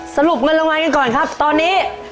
สรุปเงินรางวัลกันก่อนครับตอนนี้